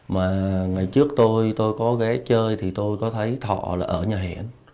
mà ngày trước tôi tôi có ghé chơi thì tôi có thấy thọ là ở nhà hiển